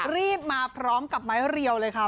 รีบมาพร้อมกับไม้เรียวเลยค่ะ